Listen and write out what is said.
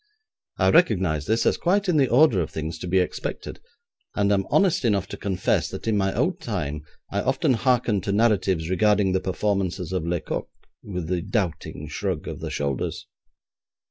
I recognise this as quite in the order of things to be expected, and am honest enough to confess that in my own time I often hearkened to narratives regarding the performances of Lecocq with a doubting shrug of the shoulders.